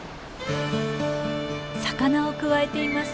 魚をくわえています。